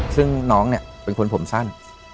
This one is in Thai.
ซึ่งน้องเนี่ยเป็นคนผมสั้น